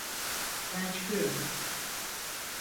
Ben çıkıyorum.